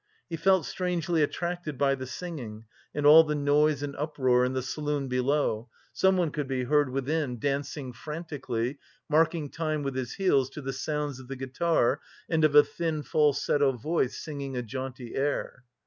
He felt strangely attracted by the singing and all the noise and uproar in the saloon below.... someone could be heard within dancing frantically, marking time with his heels to the sounds of the guitar and of a thin falsetto voice singing a jaunty air.